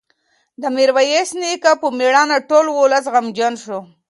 د میرویس نیکه په مړینه ټول ولس غمجن شو.